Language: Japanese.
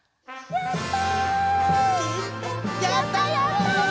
やった！